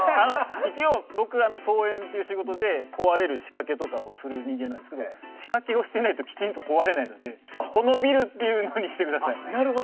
一応、僕が総合演出という仕事で壊れる仕掛けをする人間なんですが仕掛けをしていないときちんと壊れないのでこのビルということにしてください。